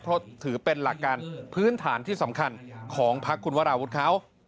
ทดถือเป็นหลักการพื้นฐานที่สำคัญของพรรคคุณวราวุฒิครับ